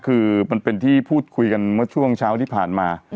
คือมันเป็นที่พูดคุยกันเมื่อช่วงเช้าที่ผ่านมา